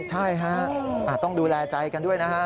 ใช่ฮะต้องดูแลใจกันด้วยนะฮะ